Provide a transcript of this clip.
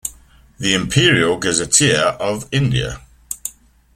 The Imperial Gazetteer of India.